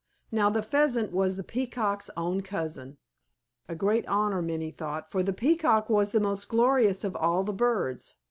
Now the Pheasant was the Peacock's own cousin, a great honor, many thought, for the Peacock was the most gorgeous of all the birds.